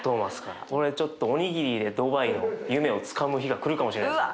これちょっとおにぎりでドバイを夢をつかむ日が来るかもしれないですね。